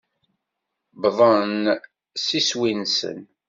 Uwḍen s iswi-nsen.